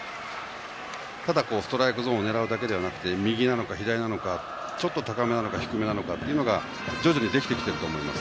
ただストライクゾーンを狙うだけではなく右なのか、左なのかちょっと高めなのか低めなのかというのが徐々にできてきていると思います。